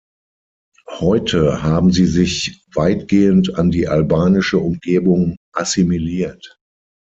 Heute haben sie sich weitgehend an die albanische Umgebung assimiliert.